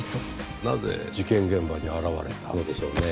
なぜ事件現場に現れたのでしょうねぇ？